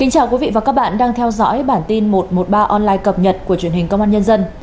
chào mừng quý vị đến với bản tin một trăm một mươi ba online cập nhật của truyền hình công an nhân dân